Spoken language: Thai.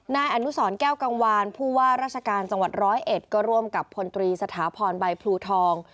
นายอนุสรแก้วกังวานผู้ว่าราชการจังหวัดร้อยเอ็ดก็ร่วมกับพลตรีสถาพรใบพลูทอง